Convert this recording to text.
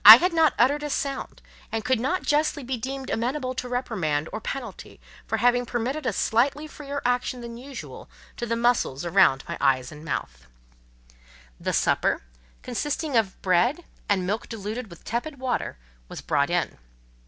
I had not uttered a sound, and could not justly be deemed amenable to reprimand or penalty for having permitted a slightly freer action than usual to the muscles about my eyes and mouth. The supper, consisting of bread, and milk diluted with tepid water, was brought in.